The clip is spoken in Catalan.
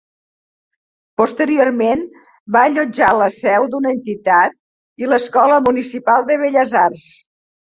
Posteriorment va allotjar la seu d'una entitat i l'Escola Municipal de Belles Arts.